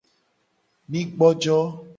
Mi gbojo.